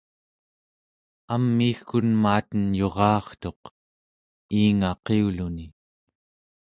amiigkun maaten yura'artuq iinga qiuluni